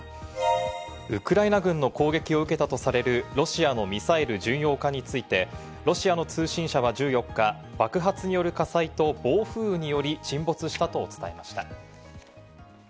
ウクライナ軍の攻撃を受けたとされるロシアのミサイル巡洋艦についてロシアの通信社は１４日、爆発による火災と暴風雨により沈没したと伝えました。